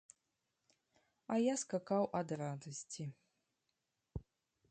А я скакаў ад радасці.